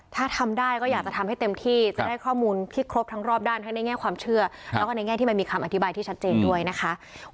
ถ้าทำได้ก็อยากจะทำให้เต็มที่จะได้ข้อมูลที่ครบทั้งรอบด้านทั้งในแง่ความเชื่อแล้วก็ในแง่ที่มันมีคำอธิบายที่ชัดเจนด้วยนะคะ